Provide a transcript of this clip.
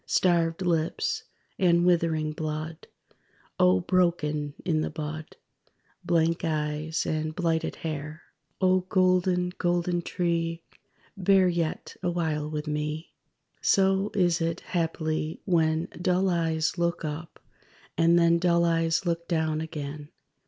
Starved lips, and withering blood O broken in the bud! Blank eyes, and blighted hair._ (O golden, golden tree! Bear yet awhile with me.) So is it, haply, when Dull eyes look up, and then Dull eyes look down again.